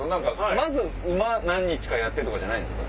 まず馬何日かやってとかじゃないんですか？